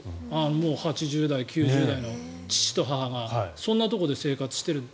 ８０代、９０代の父と母がそんなところで生活している。